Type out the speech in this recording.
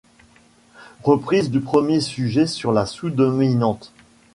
Reprise du premier sujet sur la sous-dominante.